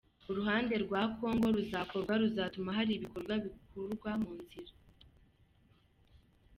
Uruhande rwa Congo ruzakorwa ruzatuma hari ibikorwa bikurwa mu nzira.